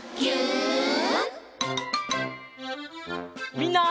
みんな。